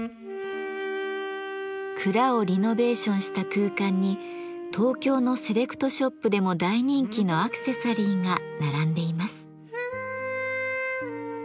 蔵をリノベーションした空間に東京のセレクトショップでも大人気のアクセサリーが並んでいます。